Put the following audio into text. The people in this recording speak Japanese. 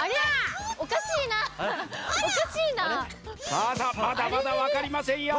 さあさあまだまだわかりませんよ。